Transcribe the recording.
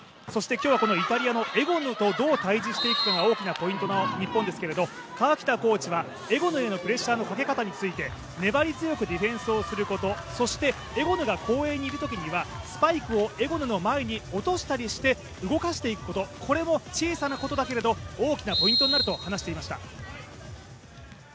今日はイタリアのエゴヌとどう対峙していくかが大きなポイントですが、川北コーチはエゴヌへのプレッシャーのかけ方について粘り強くディフェンスをすること、そしてエゴヌが後衛にいるときには、スパイクをエゴヌの前に落としたりして動かしていくこと、これも小さなことだけれども、大きなポイントになると話していました。